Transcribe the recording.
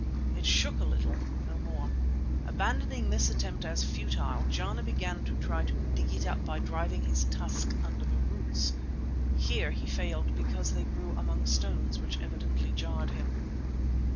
It shook a little—no more. Abandoning this attempt as futile, Jana next began to try to dig it up by driving his tusk under its roots. Here, too, he failed because they grew among stones which evidently jarred him.